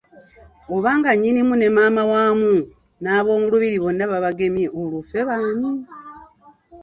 Obanga Nnyinimu ne Maama wamu n'ab'omu lubiri bonna babagemye olwo ffe baani!